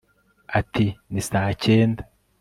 ati ni saa cyenda